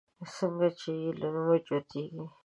څنگه چې يې له نوم جوتېږي